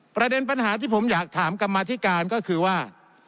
ประเด็นปัญหาที่ผมอยากถามกรรมาธิการก็คือว่า